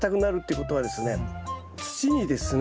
土にですね